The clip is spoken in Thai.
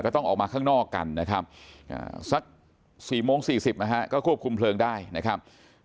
ต้องออกมาข้างนอกกันนะครับสัก๔โมง๔๐นะฮะก็ควบคุมเพลิงได้นะครับ